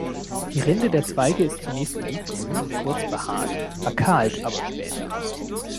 Die Rinde der Zweige ist zunächst olivgrün und kurz behaart, verkahlt aber später.